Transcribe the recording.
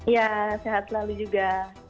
ya sehat selalu juga